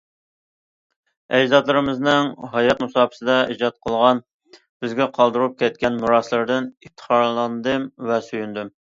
ئەجدادلىرىمىزنىڭ ھايات مۇساپىسىدە ئىجاد قىلغان، بىزگە قالدۇرۇپ كەتكەن مىراسلىرىدىن ئىپتىخارلاندىم ۋە سۆيۈندۈم.